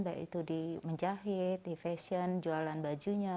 baik itu di menjahit di fashion jualan bajunya